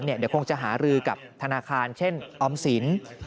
เดี๋ยวคงจะหารือกับธนาคารเช่นออมสิน